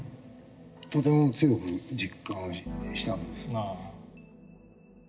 とても強く実感したんです。